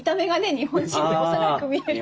日本人幼く見えるから。